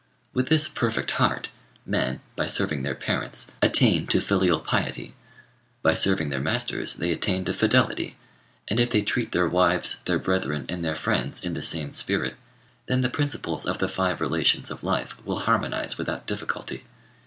With this perfect heart, men, by serving their parents, attain to filial piety; by serving their masters they attain to fidelity; and if they treat their wives, their brethren, and their friends in the same spirit, then the principles of the five relations of life will harmonize without difficulty.